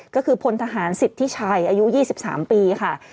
ก็คือพลทหารสิทธิชัยอายุ๒๓ปีค่ะ